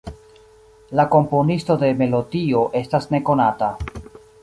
La komponisto de melodio estas nekonata.